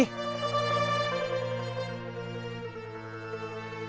kenapa sekarang somsu